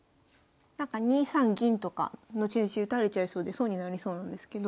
なんか２三銀とか後々打たれちゃいそうで損になりそうなんですけど。